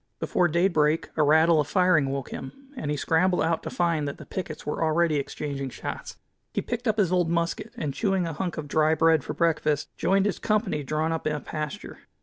Before daybreak a rattle of firing woke him, and he scrambled out to find that the pickets were already exchanging shots. He picked up his old musket, and chewing a hunk of dry bread for breakfast, joined his company drawn up in a pasture.